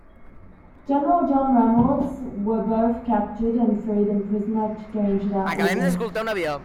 General John Reynolds were both captured and freed in a prisoner exchange that August.